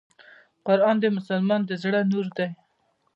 قرآن د مسلمان د زړه نور دی .